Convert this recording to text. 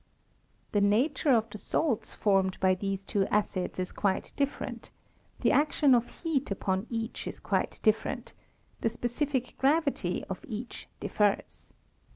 The nature of the salts formed by these two acids is quite different; the action of heat upon each is quite different; the specific gravity of each differs.